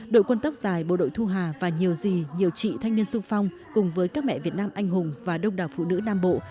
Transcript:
đội quân tóc dài bộ đội thu hà và nhiều gì nhiều chị thanh niên sung phong cùng với các mẹ việt nam anh hùng và đông đảo phụ nữ nam bộ